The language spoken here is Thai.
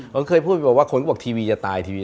เขาเคยพูดว่าทีวีจะตาย